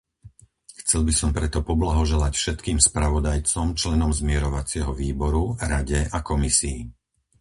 Chcel by som preto poblahoželať všetkým spravodajcom, členom zmierovacieho výboru, Rade a Komisii.